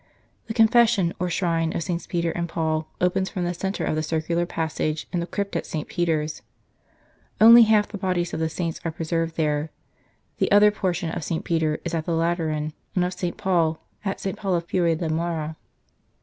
The Confession or Shrine of SS. Peter and Paul opens from the centre of the circular passage in the crypt at St. Peter s. Only half the bodies of the saints are preserved there ; the other portion of St. Peter is at the Lateran, and of St. Paul at S. Paolo fuori le Mura.